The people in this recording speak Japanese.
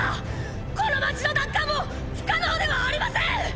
この街の奪還も不可能ではありません！